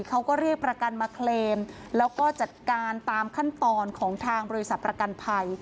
เขาก็เรียกประกันมาเคลมแล้วก็จัดการตามขั้นตอนของทางบริษัทประกันภัย